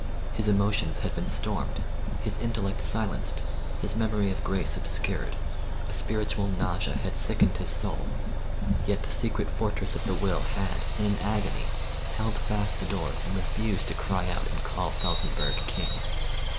His emotions had been stormed, his intellect silenced, his memory of grace obscured, a spiritual nausea had sickened his soul, yet the secret fortress of the will had, in an agony, held fast the doors and refused to cry out and call Felsenburgh king.